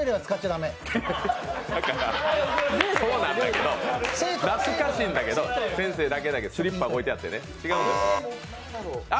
だから、そうなんだけど懐かしいんだけど、先生だけでスリッパ置いてあってね、違います